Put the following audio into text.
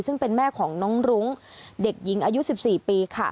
ซึ่งเป็นแม่ของน้องรุ้งเด็กหญิงอายุ๑๔ปีค่ะ